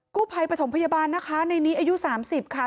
กู้ภัยปฐมพยาบาลนะคะในนี้อายุ๓๐ค่ะ